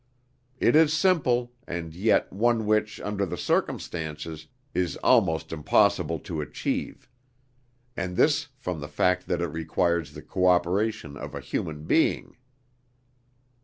It is simple, and yet one which, under the circumstances, is almost impossible to achieve; and this from the fact that it requires the cooperation of a human being."